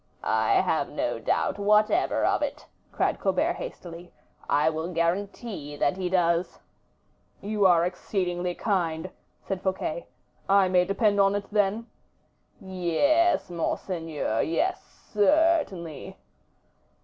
"I have no doubt whatever of it," cried Colbert, hastily; "I will guarantee that he does." "You are exceedingly kind," said Fouquet. "I may depend on it, then?" "Yes, monseigneur; yes, certainly."